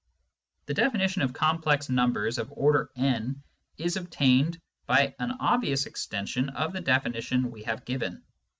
The definition of complex numbers of order n is obtained by an obvious extension of the definition we have given.